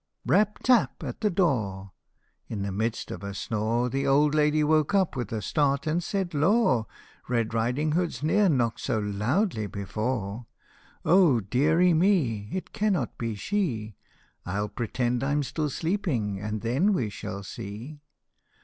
Rap, tap ! at the door. In the midst of a snore The old lady woke up with a start, and said, " Lor ! Red Riding Hood ne'er knocked so loudly before. Oh, deary me, it cannot be she ; I '11 pretend I 'm still sleeping, and then we shall see."